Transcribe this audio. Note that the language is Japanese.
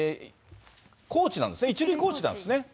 コーチなんですよね、１塁コーチなんですよね。